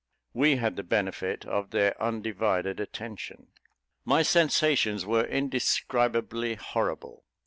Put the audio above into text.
We had the benefit of their undivided attention. My sensations were indescribably horrible.